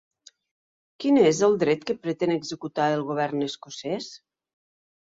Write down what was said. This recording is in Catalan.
Quin és el dret que pretén executar el govern escocès?